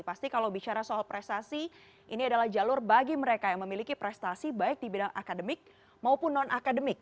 pasti kalau bicara soal prestasi ini adalah jalur bagi mereka yang memiliki prestasi baik di bidang akademik maupun non akademik